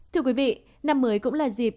thưa quý vị năm mới cũng là dịp